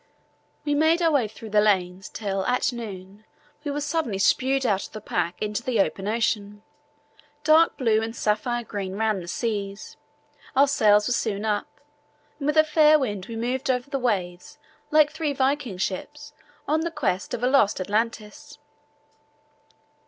We made our way through the lanes till at noon we were suddenly spewed out of the pack into the open ocean. Dark blue and sapphire green ran the seas. Our sails were soon up, and with a fair wind we moved over the waves like three Viking ships on the quest of a lost Atlantis.